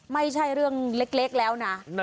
ไม่ใช่เรื่องเล็กแล้วนะ